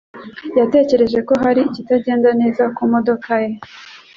yatekereje ko hari ikitagenda neza ku modoka ye.